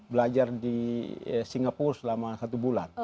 belajar di singapura selama satu bulan